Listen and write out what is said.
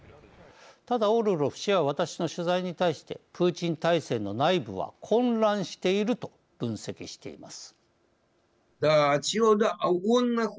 ただオルロフ氏は私の取材に対して「プーチン体制の内部は混乱している」と分析しています。